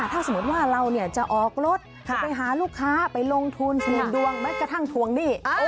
ถ้าสมมุติว่าเราเนี่ยจะออกรถไปหาลูกค้าไปลงทุนดวงแม้กระทั่งทวงนี่